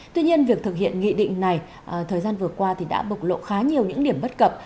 tuy nhiên việc thực hiện nghị định này thời gian vừa qua đã bộc lộ khá nhiều những điểm bất cập